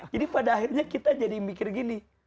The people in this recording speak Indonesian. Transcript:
jadi pada akhirnya kita jadi mikir gini